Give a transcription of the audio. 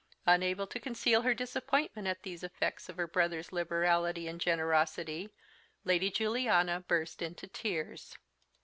Unable to conceal her disappointment at these effects of her brother's "liberality and generosity," Lady Juliana burst into tears.